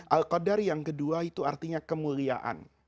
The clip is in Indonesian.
al qadar yang kedua itu artinya kemuliaan